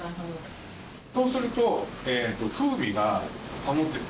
そうすると。